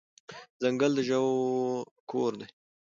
ځنګل د ژوو کور دی.